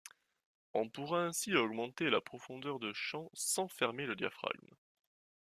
On pourra ainsi augmenter la profondeur de champ sans fermer le diaphragme.